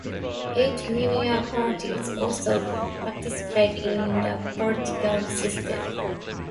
Eight minor parties also participate in the political system.